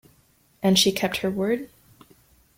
And she kept her word?